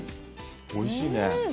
おいしいね。